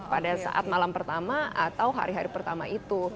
pada saat malam pertama atau hari hari pertama itu